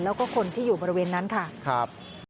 แล้วก็คนที่อยู่บริเวณนั้นค่ะครับ